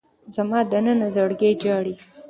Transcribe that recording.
زما دننه زړګی ژاړي